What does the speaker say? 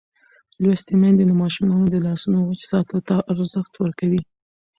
لوستې میندې د ماشومانو د لاسونو وچ ساتلو ته ارزښت ورکوي.